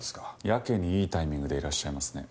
やけにいいタイミングでいらっしゃいますね。